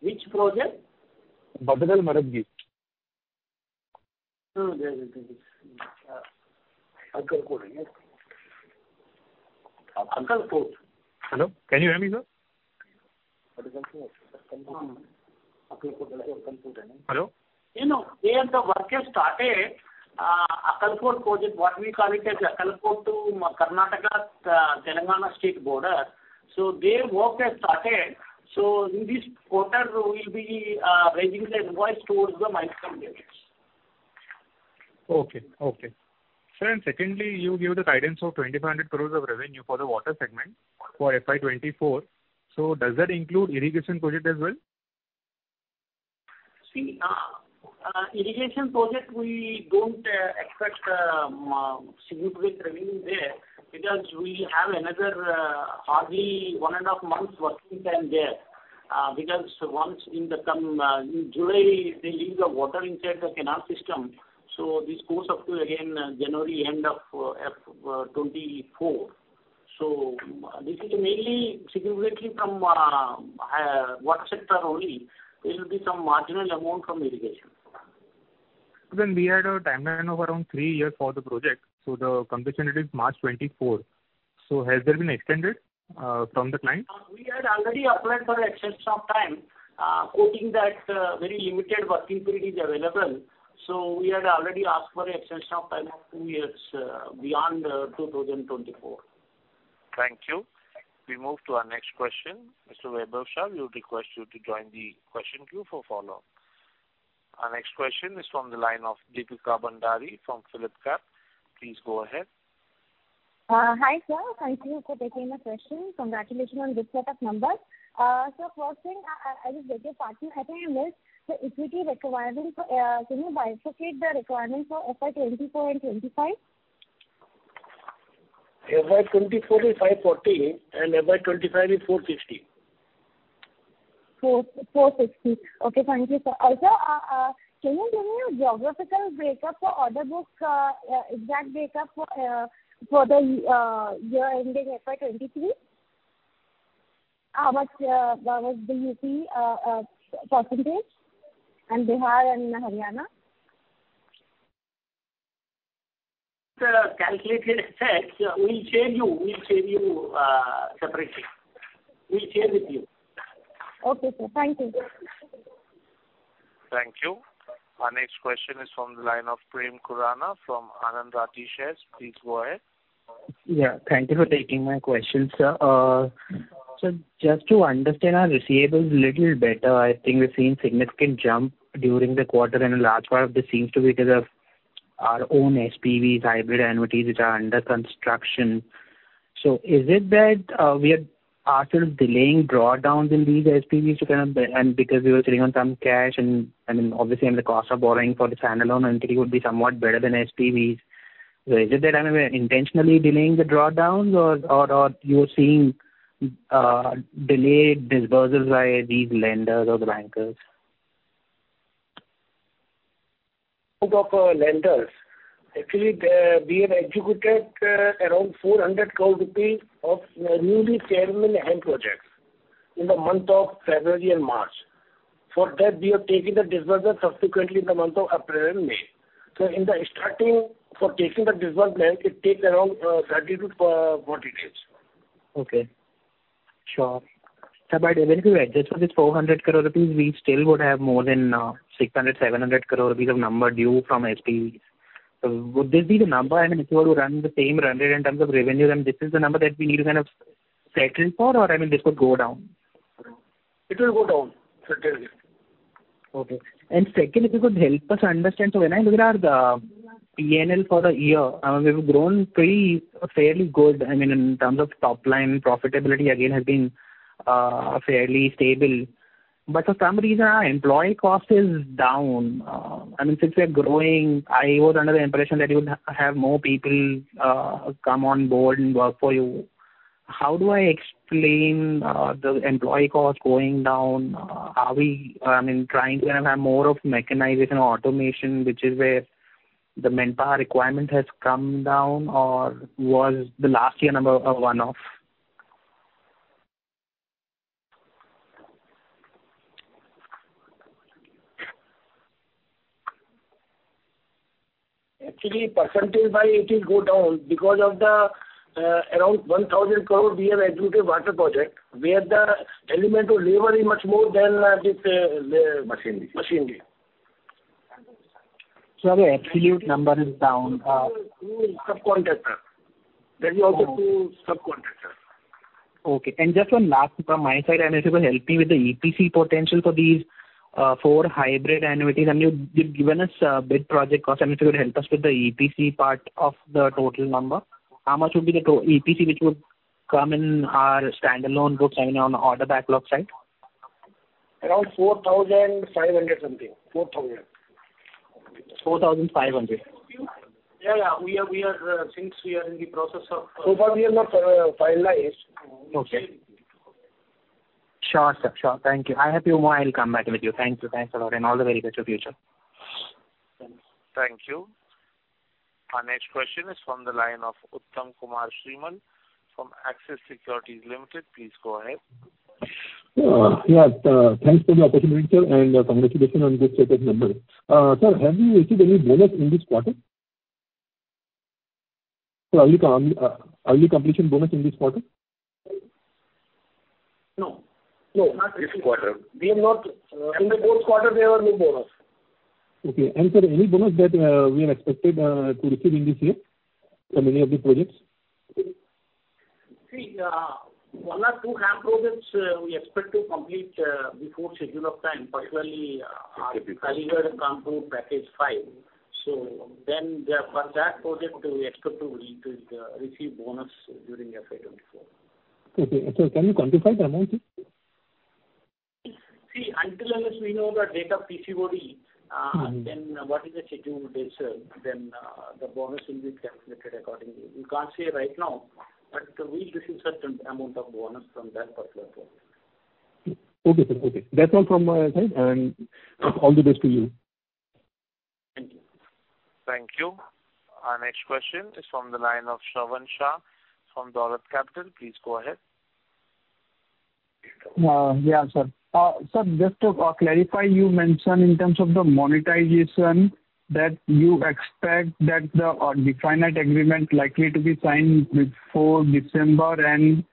Which project? Badadal-Maradgi. Yes. Akkalkot. Hello, can you hear me, sir? Akkalkot. Hello? Hello. You know, there the work has started, Akkalkot project, what we call it as Akkalkot to Karnataka, Telangana state border. There work has started, so in this quarter, we'll be raising the invoice towards the milestone payments. Okay. Okay. Sir, secondly, you gave the guidance of 2,500 crores of revenue for the water segment for FY 2024. Does that include irrigation project as well? See, irrigation project, we don't expect significant revenue there, because we have another hardly one and a half months working time there. Because once in the come, in July, they leave the water inside the canal system, so this goes up to again, January, end of FY 2024. This is mainly significantly from work sector only. There will be some marginal amount from irrigation. We had a timeline of around three years for the project. The completion date is March 2024. Has that been extended from the client? We had already applied for extension of time, quoting that, very limited working period is available. We had already asked for an extension of time of two years, beyond, 2024. Thank you. We move to our next question. Mr. Vaibhav Shah, we would request you to join the question queue for follow-up. Our next question is from the line of Deepika Bhandari from Phillip Capital. Please go ahead. Hi, sir. Thank you for taking my question. Congratulations on good set of numbers. First thing, I just looked at party, I think I missed. Equity requirement for, Can you bifurcate the requirement for FY 2024 and 2025? FY 2024 is 540, and FY 2025 is 450. 450. Okay, thank you, sir. Can you give me a geographical breakup for order book, exact breakup for the year ending FY 2023? What, what was the UP percentage in Bihar and Haryana? The calculated effect. We'll share with you. Okay, sir. Thank you. Thank you. Our next question is from the line of Prem Khurana from Anand Rathi Shares. Please go ahead. Thank you for taking my questions, sir. Just to understand our receivables a little better, I think we've seen significant jump during the quarter, and a large part of this seems to be because of our own SPVs hybrid annuities which are under construction. Is it that we are also delaying drawdowns in these SPVs to kind of, and because we were sitting on some cash, and, I mean, obviously, and the cost of borrowing for the standalone entity would be somewhat better than SPVs. Is it that I mean, we're intentionally delaying the drawdowns or you're seeing delayed disbursements by these lenders or the bankers? Of our lenders, actually, the, we have executed, around 400 crore rupees HAM and projects in the month of February and March. For that, we are taking the disbursement subsequently in the month of April and May. In the starting, for taking the disbursement, it takes around, 30-40 days. Okay. Sure. Even if you adjust for this 400 crore rupees, we still would have more than 600-700 crore rupees of number due from SPVs. Would this be the number, and this were to run the same run rate in terms of revenue, and this is the number that we need to kind of settle for, or, I mean, this would go down? It will go down, certainly. Okay. Second, if you could help us understand, when I look at our, the P&L for the year, we've grown pretty fairly good. I mean, in terms of top line, profitability again has been, fairly stable. For some reason, our employee cost is down. I mean, since we are growing, I was under the impression that you would have more people, come on board and work for you. How do I explain, the employee cost going down? Are we, I mean, trying to have more of mechanization or automation, which is where the manpower requirement has come down, or was the last year number a one-off? Actually, percentage-wise, it will go down because of the, around 1,000 crore we have executed water project, where the element of labor is much more than the machinery. the absolute number is down. Subcontractor. That we also do subcontractor. Okay. Just one last from my side, and if you could help me with the EPC potential for these four hybrid annuities, I mean, you've given us bid project cost, and if you could help us with the EPC part of the total number. How much would be the EPC, which would come in our standalone books, I mean, on the order backlog side? Around 4,500 something. 4,000. 4,500. Yeah. We are not finalized. Okay. Sure, sir. Sure. Thank you. I have one more, I'll come back with you. Thank you. Thanks a lot, and all the very best for future. Thank you. Our next question is from the line of Uttam Kumar Srimal from Axis Securities Limited. Please go ahead. Yes, thanks for the opportunity, sir, and congratulations on this second number. Sir, have you received any bonus in this quarter? Early, early completion bonus in this quarter? No. No, not this quarter. We have not. In the fourth quarter, there were no bonus. Okay. Sir, any bonus that we have expected to receive in this year from any of the projects? One or two HAM projects, we expect to complete before schedule of time, particularly our carrier control package 5. For that project, we expect to receive bonus during FY 2024. Okay. Can you quantify the amount? Until unless we know the date of PCOD. Mm-hmm. What is the schedule date, sir, then, the bonus will be calculated accordingly. We can't say right now, but we'll receive certain amount of bonus from that particular project. Okay, sir. Okay. That's all from my side, and all the best to you. Thank you. Thank you. Our next question is from the line of Shravan Shah from Dolat Capital. Please go ahead. Yeah, sir. Sir, just to clarify, you mentioned in terms of the monetization, that you expect that the definite agreement likely to be signed before December and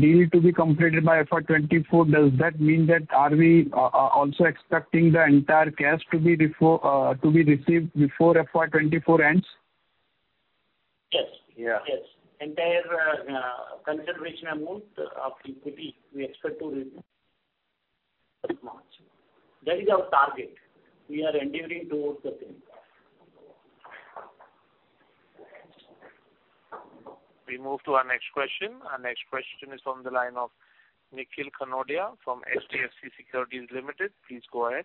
deal to be completed by FY 2024. Does that mean that are we also expecting the entire cash to be before to be received before FY 2024 ends? Yes. Yeah. Yes. Entire, conservation amount of equity, we expect to receive by March. That is our target. We are endeavoring towards the same. We move to our next question. Our next question is from the line of Nikhil Kanodia from HDFC Securities Limited. Please go ahead.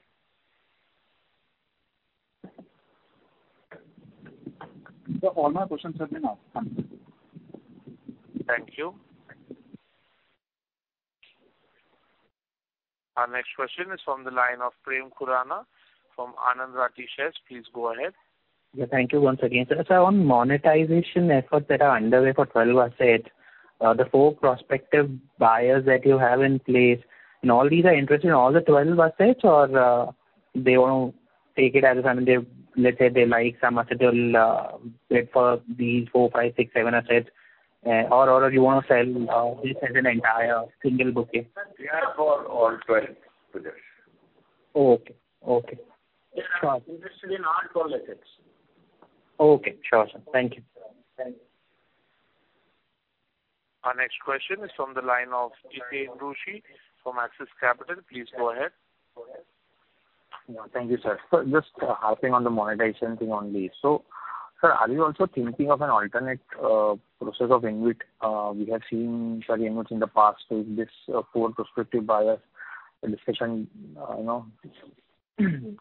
Sir, all my questions have been asked. Thank you. Thank you. Our next question is from the line of Prem Khurana from Anand Rathi Shares. Please go ahead. Yeah, thank you once again. Sir, on monetization efforts that are underway for 12 assets, the four prospective buyers that you have in place, and all these are interested in all the 12 assets, or they want to take it as, I mean, they, let's say they like some asset, they'll bid for these four, five, six, seven assets? You want to sell this as an entire single bouquet? Sir, we are for all 12 projects. Okay, okay. Sure. Interested in all toll assets. Okay, sure, sir. Thank you. Thank you. Our next question is on the line of Jiteen Rushe from Axis Capital. Please go ahead. Yeah, thank you, sir. Just harping on the monetization thing only. Sir, are you also thinking of an alternate process of InvIT? We have seen certain InvITs in the past with this poor prospective buyer discussion, you know,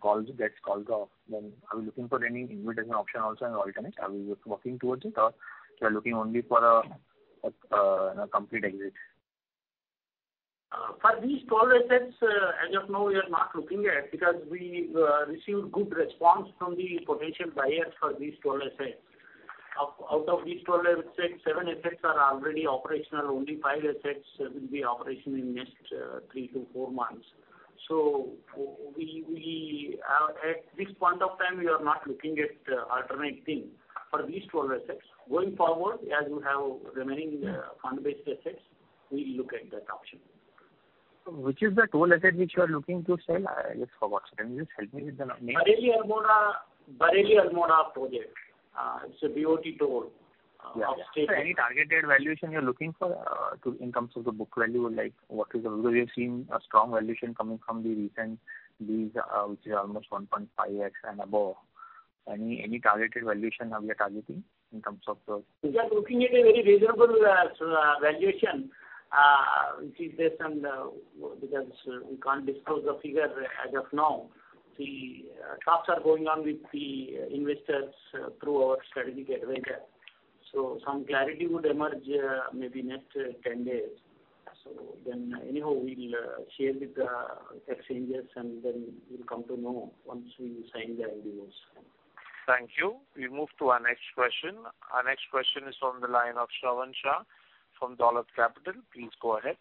calls, gets called off. Are we looking for any InvIT option also an alternate? Are we working towards it, or we are looking only for a complete exit? For these toll assets, as of now, we are not looking at, because we received good response from the potential buyers for these toll assets. Out of these toll assets, seven assets are already operational. Only five assets will be operational in next, three to four months. We at this point of time, we are not looking at, alternate thing for these toll assets. Going forward, as you have remaining, fund-based assets, we look at that option. Which is the toll asset which you are looking to sell? Just for what? Can you just help me with the name? Bareilly-Almora project. It's a BOT Toll. Yeah. Any targeted valuation you're looking for, in terms of the book value? Like, what is, Although we are seeing a strong valuation coming from the recent deals, which is almost 1.5x and above. Any targeted valuation are we targeting in terms of the We are looking at a very reasonable valuation, which is based on the, because we can't disclose the figure as of now. The talks are going on with the investors through our strategic advisor. Some clarity would emerge maybe next 10 days. Anyhow, we'll share with the exchanges, and then we'll come to know once we sign the LBOs. Thank you. We move to our next question. Our next question is on the line of Shravan Shah from Dolat Capital. Please go ahead.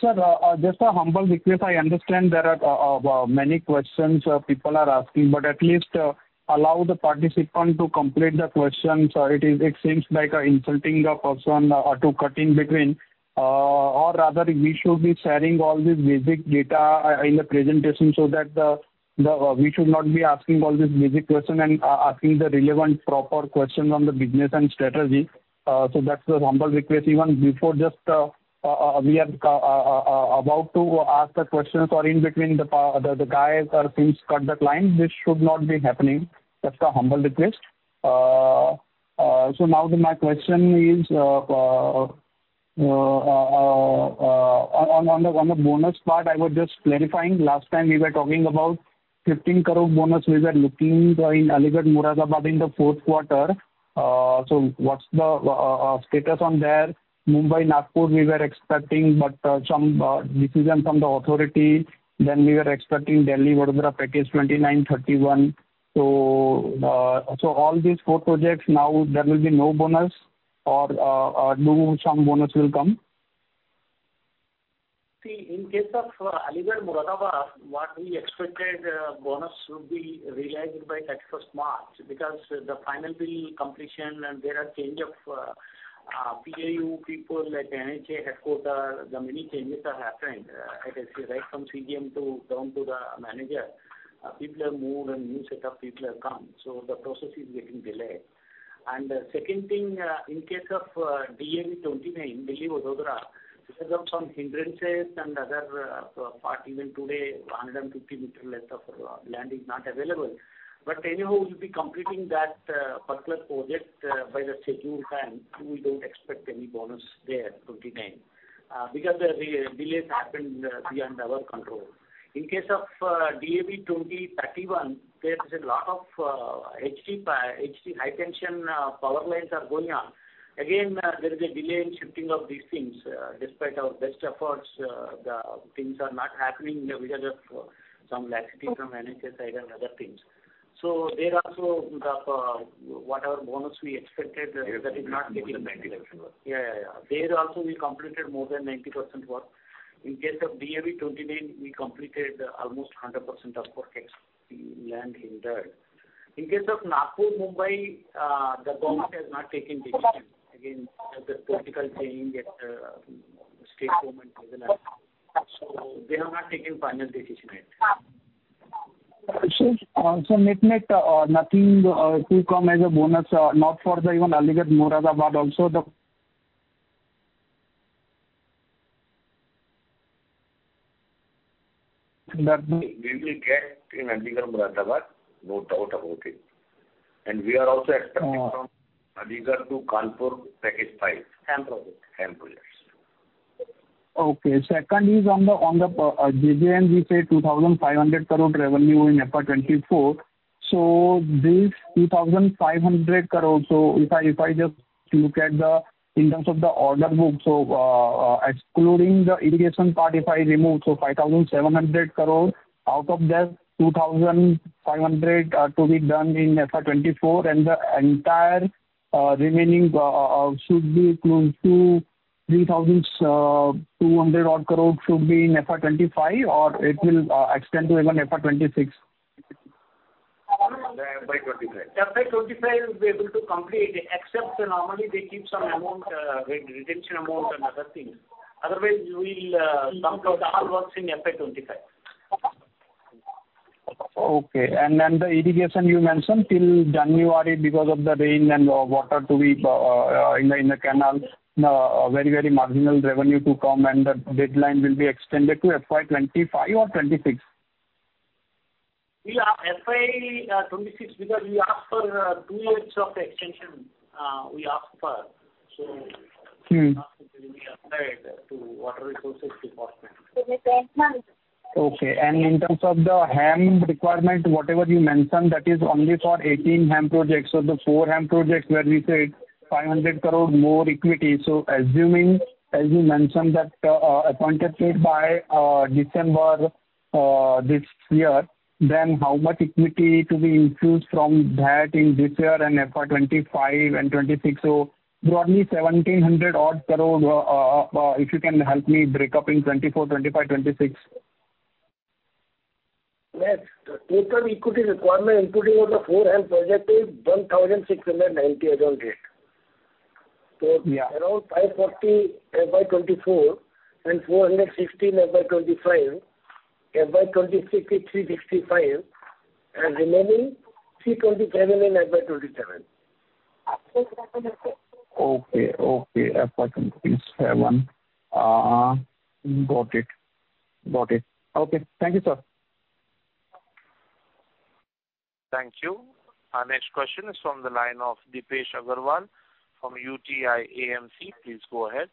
Sir, just a humble request. I understand there are many questions people are asking, but at least allow the participant to complete the question. It is, it seems like insulting the person or to cut in between. Or rather, we should be sharing all this basic data in the presentation so that we should not be asking all these basic questions and asking the relevant, proper questions on the business and strategy. That's the humble request. Even before, just we are about to ask the question or in between, the guy seems to cut the line. This should not be happening. That's a humble request. Now my question is on the bonus part, I was just clarifying. Last time we were talking about 15 crore bonus we were looking for in Aligarh-Moradabad in the fourth quarter. What's the status on there? Mumbai-Nagpur, we were expecting, but some decision from the authority. We were expecting Delhi–Vadodara package 29 and 31. All these four projects now, there will be no bonus or do some bonus will come? See, in case of Aligarh-Moradabad, what we expected, bonus will be realized by next 1st March, because the final bill completion and there are change of PIU people at NHAI headquarter, there are many changes are happened. It is right from CGM to down to the manager. People have moved and new set of people have come, so the process is getting delayed. Second thing, in case of DAV 29, Delhi-Vadodara, because of some hindrances and other part, even today, 150 m left of land is not available. Anyhow, we'll be completing that particular project by the scheduled time. We don't expect any bonus there, 29, because the delays happened beyond our control. In case of DAV 2031, there is a lot of HT, high tension, power lines are going on. Again, there is a delay in shifting of these things. Despite our best efforts, the things are not happening because of some lack of things from NHAI side and other things. There also, the whatever bonus we expected, that is not taken. 90%. Yeah, yeah. There also, we completed more than 90% work. In case of DAV 29, we completed almost 100% of work. It's the land hindered. In case of Nagpur-Mumbai, the government has not taken decision. Again, the political change at the state government level, so they have not taken final decision yet. Nothing to come as a bonus, not for the even Aligarh-Moradabad also the That we will get in Aligarh-Moradabad, no doubt about it. We are also expecting. Uh. From Aligarh to Kanpur, package 5. Project. Projects. Okay. Second is on the JJM, we say 2,500 crore revenue in FY24. This 2,500 crore, if I just look at the, in terms of the order book, excluding the irrigation part, if I remove, 5,700 crore, out of that, 2,500 are to be done in FY24, and the entire remaining should be close to 3,200 odd crore should be in FY 2025, or it will extend to even FY 2026? FY 2025 will be able to complete, except normally they keep some amount, retention amount and other things. Otherwise, we'll come to all works in FY 2025. Okay. The irrigation you mentioned till January, because of the rain and water to be in the canal, very, very marginal revenue to come, and the deadline will be extended to FY 2025 or 2026? Yeah, FY 2026, because we asked for, two years of extension, we asked for. Mm. It will be applied to water resources department. In terms of the HAM requirement, whatever you mentioned, that is only for 18 HAM projects. The four HAM projects where we said 500 crore more equity. Assuming, as you mentioned, that appointed date by December 2024, then how much equity to be infused from that in 2024 and FY 2025 and FY 2026? Broadly, 1,700 odd crore, if you can help me break up in 2024, 2025, 2026? Yes. Total equity requirement, including all the four HAM projects, is 1,690, around it. Yeah. Around 540 crore, FY 2024, and INR 460 crore, FY 2025, FY 2026 is INR 365 crore, and remaining, INR 327 crore in FY 2027. Okay, okay. FY 2027. Got it. Got it. Okay. Thank you, sir. Thank you. Our next question is from the line of Deepesh Agarwal from UTI AMC. Please go ahead.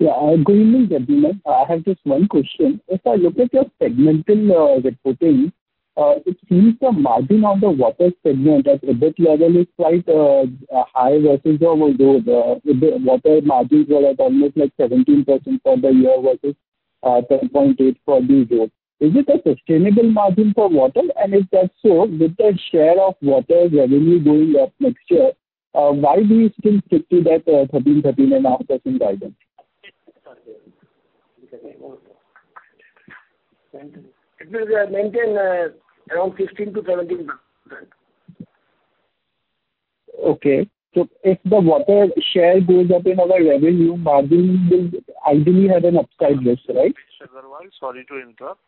Yeah, good evening, gentlemen. I have just one question. If I look at your segmental reporting, it seems the margin on the water segment at EBITDA level is quite high versus our old EBITDA water margins were at almost like 17% for the year versus 10.8% for this year. Is it a sustainable margin for water? If that's so, with the share of water revenue going up next year, why do you still stick to that 13%-13.5% guidance? It will maintain, around 16%-17%. Okay. If the water share goes up in our revenue, margin will ideally have an upside risk, right? Deepesh Agarwal, sorry to interrupt.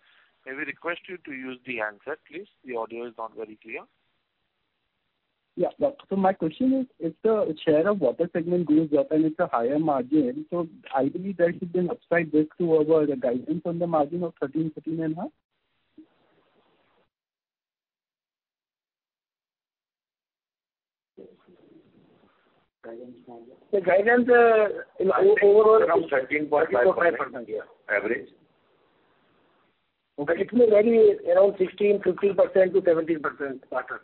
May we request you to use the handset, please? The audio is not very clear. My question is: If the share of water segment goes up and it's a higher margin, ideally there should be an upside risk to our guidance on the margin of 13%-13.5%. The guidance. Around 13.5%, yeah. Average. It may vary around 16%, 15% to 17% quarter.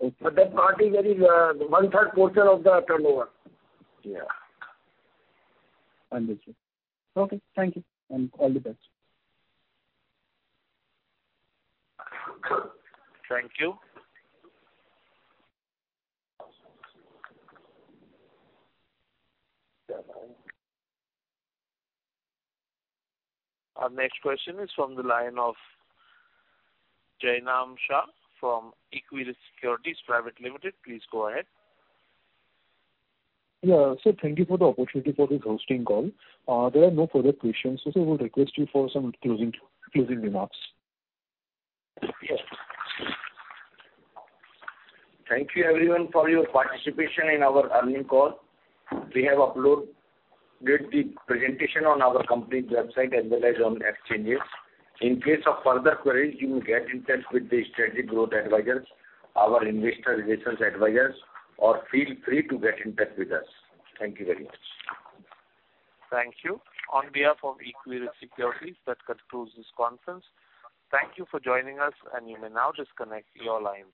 That party very one-third portion of the turnover. Yeah. Understand. Okay, thank you, and all the best. Thank you. Our next question is from the line of Jainam Shah from Equirus Securities Private Limited. Please go ahead. Yeah. Thank you for the opportunity for this hosting call. There are no further questions. I would request you for some closing remarks. Yes. Thank you everyone for your participation in our earnings call. We have uploaded the presentation on our company website as well as on exchanges. In case of further queries, you may get in touch with the Strategic Growth Advisors, our investor relations advisors, or feel free to get in touch with us. Thank you very much. Thank you. On behalf of Equirus Securities, that concludes this conference. Thank you for joining us, and you may now disconnect your lines.